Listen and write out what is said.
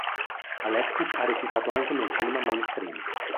Alexis ha recitato anche nel cinema mainstream.